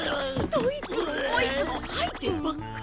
どいつもこいつも吐いてばっか！